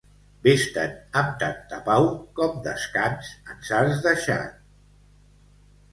Ves-te'n amb tanta pau com descans ens has deixat.